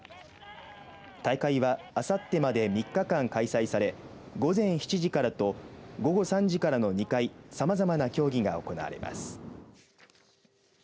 大会はあさってまで３日間開催され午前７時からと午後３時からの２回さまざまな競技が行われます。